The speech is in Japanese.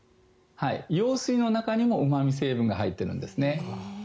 羊水の中にも、うま味成分が入っているんですね。